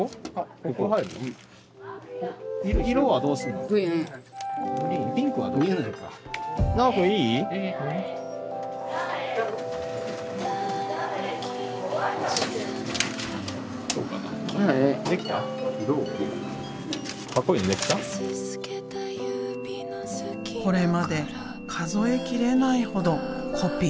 これまで数えきれないほどコピーしてきた。